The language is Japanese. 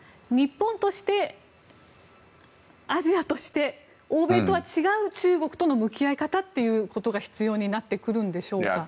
日本としてアジアとして、欧米とは違う中国との向き合い方というのが必要になってくるんでしょうか。